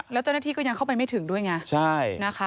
แล้วเจ้าหน้าที่ก็ยังเข้าไปไม่ถึงด้วยไงใช่นะคะ